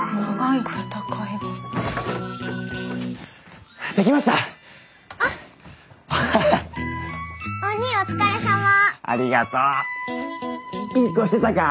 いい子してたか？